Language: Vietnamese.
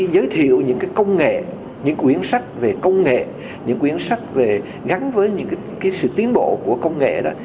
giới thiệu những quyển sách về công nghệ những quyển sách gắn với sự tiến bộ của công nghệ